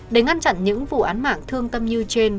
để ngăn chặn những vụ án mạng thương tâm như trên